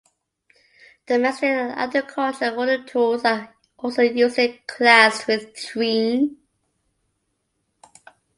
Domestic and agricultural wooden tools are also usually classed with treen.